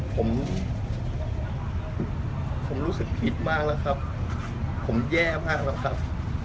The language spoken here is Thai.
ผมผมรู้สึกผิดมากแล้วครับผมแย่มากแล้วครับ